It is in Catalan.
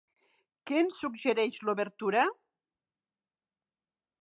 Què ens suggereix l'obertura?